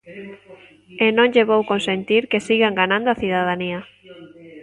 E non lle vou consentir que siga enganando a cidadanía.